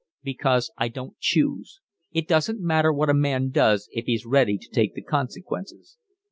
"Because I don't choose. It doesn't matter what a man does if he's ready to take the consequences.